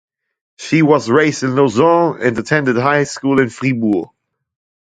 She was raised in Lausanne and attended high school in Fribourg.